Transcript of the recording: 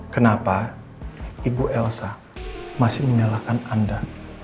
kenapa ibu elsa masih menyalahkan anda